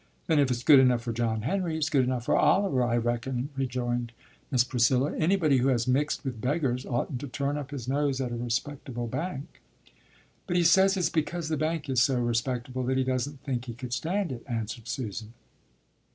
"Then if it's good enough for John Henry, it's good enough for Oliver, I reckon," rejoined Miss Priscilla. "Anybody who has mixed with beggars oughtn't to turn up his nose at a respectable bank." "But he says it's because the bank is so respectable that he doesn't think he could stand it," answered Susan.